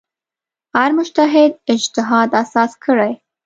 هر مجتهد اجتهاد اساس کړی.